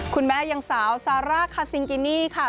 คุณแม่ยังสาวซาร่าคาซิงกินี่ค่ะ